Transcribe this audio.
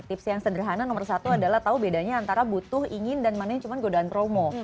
tips yang sederhana nomor satu adalah tahu bedanya antara butuh ingin dan mana yang cuma godaan promo